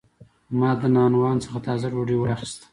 ما د نانوان څخه تازه ډوډۍ واخیسته.